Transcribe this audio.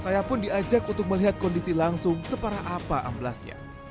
saya pun diajak untuk melihat kondisi langsung separah apa amblasnya